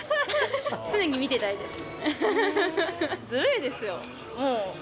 常に見てたいです。